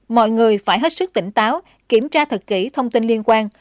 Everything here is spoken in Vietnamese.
mọi người phải hết sức tỉnh táo kiểm tra thật kỹ thông tin liên quan